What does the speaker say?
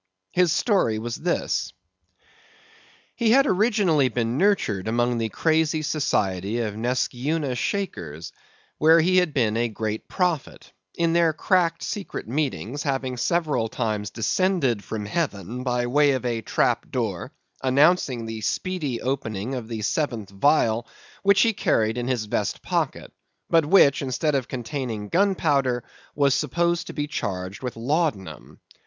His story was this: He had been originally nurtured among the crazy society of Neskyeuna Shakers, where he had been a great prophet; in their cracked, secret meetings having several times descended from heaven by the way of a trap door, announcing the speedy opening of the seventh vial, which he carried in his vest pocket; but, which, instead of containing gunpowder, was supposed to be charged with laudanum.